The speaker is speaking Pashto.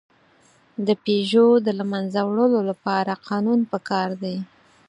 د پيژو د له منځه وړلو لپاره قانون پکار دی.